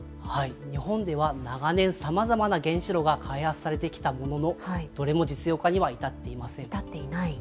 日本では長年、さまざまな原子炉が開発されてきたものの、どれも実用化には至っ至っていない。